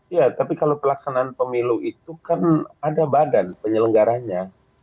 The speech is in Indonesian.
ya tapi kalau pelaksanaan pemilu itu kan ada badan penyelenggaranya